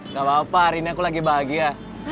gak apa apa hari ini aku lagi bahagia